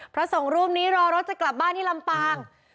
พระสงฆ์รูปนี้รอรถจะกลับบ้านที่ลำปาง